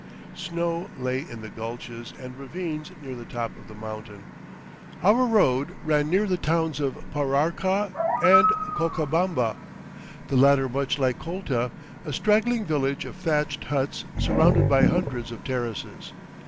Snow lay in the gulches and ravines near the top of the mountain. Our road ran near the towns of Pararca and Colcabamba, the latter much like Colta, a straggling village of thatched huts surrounded by hundreds of terraces.